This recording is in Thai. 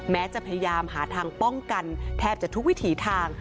จะพยายามหาทางป้องกันแทบจะทุกวิถีทาง